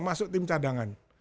masuk tim cadangan